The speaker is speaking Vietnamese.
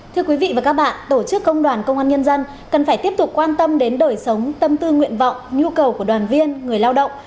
thưa quý vị và các bạn tổ chức công đoàn công an nhân dân cần phải tiếp tục quan tâm đến đời sống tâm tư nguyện vọng nhu cầu của đoàn viên người lao động